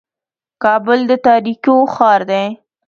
کابل د تاریکو ښار دی.